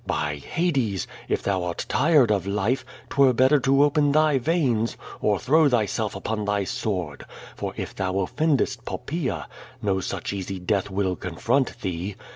By Hades! If thou art tired of life, 'twere better to open thy veins, or throw thyself upon thy sword, for if thou otfendest Poppaea, no such easy death will confront thee.